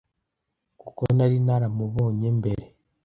kuko nari naramubonye mbere.